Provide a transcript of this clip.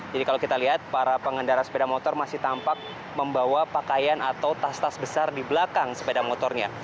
jadi kalau kita lihat para pengendara sepeda motor masih tampak membawa pakaian atau tas tas besar di belakang sepeda motornya